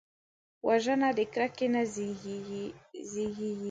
وژنه د کرکې نه زیږېږي